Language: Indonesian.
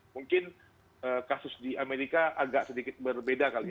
mungkin kasus di amerika agak sedikit berbeda kali